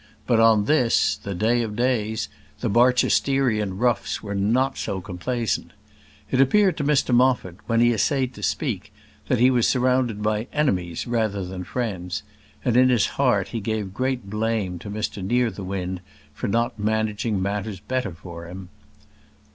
But on this, the day of days, the Barchesterian roughs were not so complaisant. It appeared to Mr Moffat, when he essayed to speak, that he was surrounded by enemies rather than friends; and in his heart he gave great blame to Mr Nearthewinde for not managing matters better for him.